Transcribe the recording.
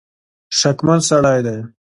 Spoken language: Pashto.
شکمن سړی دی.